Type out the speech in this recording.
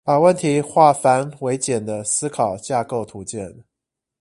把問題化繁為簡的思考架構圖鑑